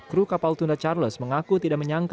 kru kapal tunda charles mengaku tidak menyangka